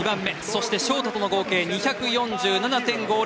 そしてショートとの合計２４７．５０！